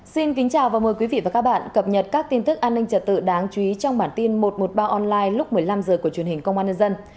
xin kính chào và mời quý vị và các bạn cập nhật các tin tức an ninh trật tự đáng chú ý trong bản tin một trăm một mươi ba online lúc một mươi năm h của truyền hình công an nhân dân